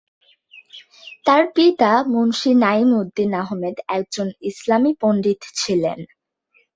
তার পিতা মুন্সী নাঈম উদ্দিন আহমেদ একজন ইসলামী পণ্ডিত ছিলেন।